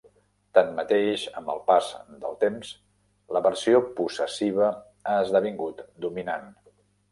Tanmateix, amb el pas del temps la versió possessiva ha esdevingut dominant.